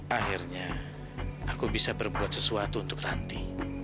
akhirnya aku bisa berbuat sesuatu untuk ranti